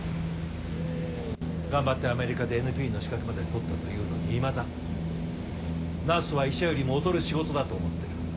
頑張ってアメリカでＮＰの資格まで取ったというのにいまだナースは医者よりも劣る仕事だと思ってる。